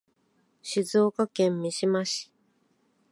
静岡県三島市